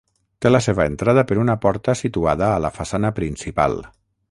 Té la seva entrada per una porta situada a la façana principal.